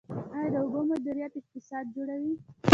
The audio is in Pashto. آیا د اوبو مدیریت اقتصاد جوړوي؟